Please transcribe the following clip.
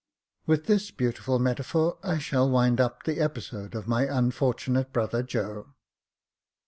With this beautiful metaphor, I shall wind up the episode of my unfortunate brother Joe.